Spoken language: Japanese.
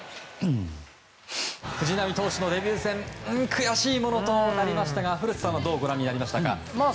藤浪投手のデビュー戦悔しいものとなりましたが古田さんはどうご覧になりましたか。